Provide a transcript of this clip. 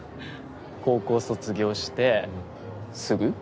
高校卒業してすぐ？